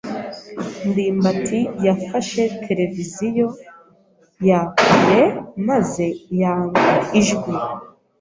ndimbati yafashe televiziyo ya kure maze yanga ijwi.